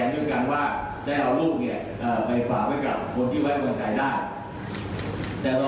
จนกระทั่งรับสารภาพในชั่วมาสินทร์ถูกกว่าแล้ว